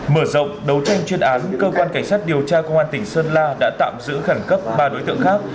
mở rộng đấu tranh chuyên án cơ quan cảnh sát điều tra công an tỉnh sơn la đã tạm giữ khẩn cấp ba đối tượng khác